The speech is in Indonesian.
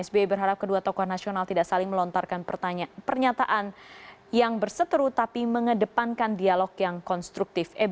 sbi berharap kedua tokoh nasional tidak saling melontarkan pernyataan yang berseteru tapi mengedepankan dialog yang konstruktif